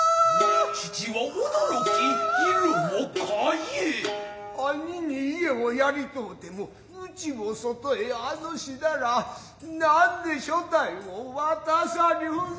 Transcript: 父は驚き色を変え兄に家をやりとうても内を外へあのしだら何んで世帯を渡されようぞ。